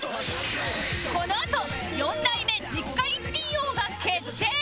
このあと４代目実家一品王が決定！